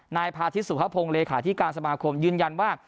นายพาทิตสุภพงศ์เลขาธิการสมาคมยืนยันว่า